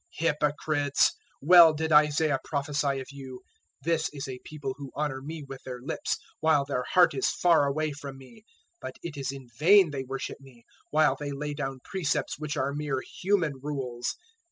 015:007 Hypocrites! well did Isaiah prophesy of you, 015:008 "`This is a People who honour Me with their lips, while their heart is far away from Me; 015:009 but it is in vain they worship Me, while they lay down precepts which are mere human rules.'"